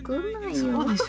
そうですよ。